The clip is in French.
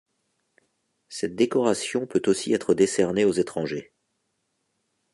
Cette décoration peut aussi être décernée aux étrangers.